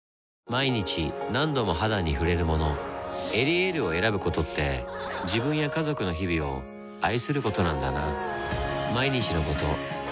毎日何度も肌に触れるもの「エリエール」を選ぶことって自分や家族の日々を愛することなんだなぁ